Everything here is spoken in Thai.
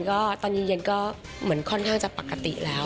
ก็ตอนเย็นก็เหมือนค่อนข้างจะปกติแล้ว